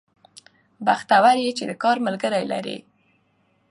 بختور يې چې د کار ملګري لرې